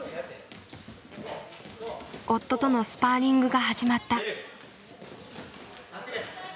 夫とのスパーリングが始まった。